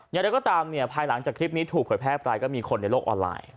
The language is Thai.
อย่างไรก็ตามเนี่ยภายหลังจากคลิปนี้ถูกเผยแพร่ไปก็มีคนในโลกออนไลน์